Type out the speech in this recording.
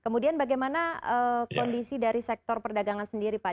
kemudian bagaimana kondisi dari sektor perdagangan sendiri pak